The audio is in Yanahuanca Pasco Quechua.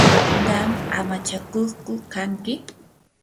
¿qam amachakuqku kanki?